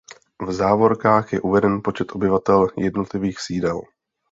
V závorkách je uveden počet obyvatel jednotlivých sídel.